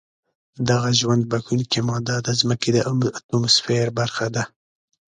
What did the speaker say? دغه ژوند بښونکې ماده د ځمکې د اتموسفیر برخه ده.